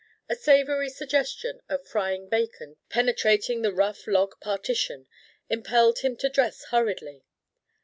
A savoury suggestion of frying bacon, penetrating the rough log partition, impelled him to dress hurriedly.